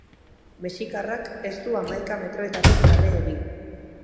Mexikarrak ez du hamaika metroetatik kale egin.